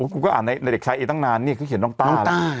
คุณก็อ่านในเด็กชายเอตั้งนานนี่เขาเขียนน้องต้าแหละ